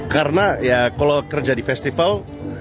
karena ya kalau kerja di festival